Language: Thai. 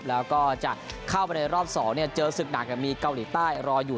แล้วก็จะเข้าไปในรอบเสาร์เนี่ยเจอศึกหนักอย่างมีเกาหลีใต้รออยู่